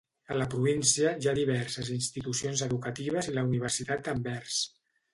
A la província hi ha diverses institucions educatives i la Universitat d'Anvers.